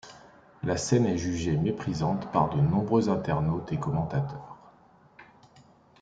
La scène est jugée méprisante par de nombreux internautes et commentateurs.